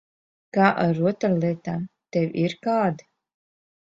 Kā ar rotaļlietām? Tev ir kāda?